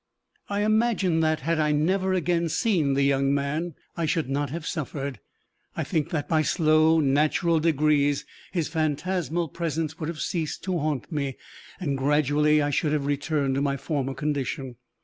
I imagine that, had I never again seen the young man, I should not have suffered. I think that, by slow natural degrees, his phantasmal presence would have ceased to haunt me, and gradually I should have returned to my former condition.